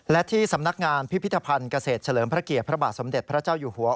และที่สำนักงานพิพิธภัณฑ์เกษตรเฉลิมพระเกียรติพระบาทสมเด็จพระเจ้าอยู่หัว